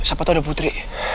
siapa tau ada putri